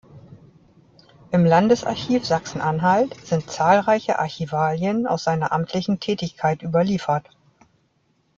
Im Landesarchiv Sachsen-Anhalt sind zahlreiche Archivalien aus seiner amtlichen Tätigkeit überliefert.